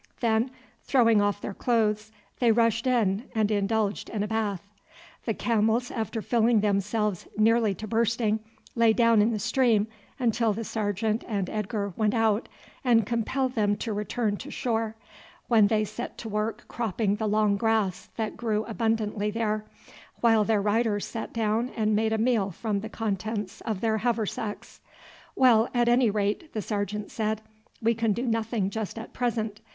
Then throwing off their clothes they rushed in and indulged in a bathe. The camels, after filling themselves nearly to bursting, lay down in the stream until the sergeant and Edgar went out and compelled them to return to shore, when they set to work cropping the long grass that grew abundantly there, while their riders sat down and made a meal from the contents of their haversacks. "Well, at any rate," the sergeant said, "we can do nothing just at present.